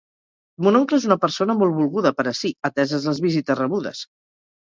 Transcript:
Mon oncle és una persona molt volguda per ací, ateses les visites rebudes